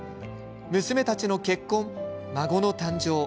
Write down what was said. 娘たちの結婚、孫の誕生。